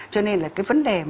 cho nên là cái vấn đề